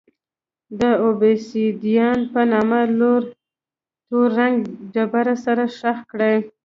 د اوبسیدیان په نامه له تور رنګه ډبرو سره ښخ کړي.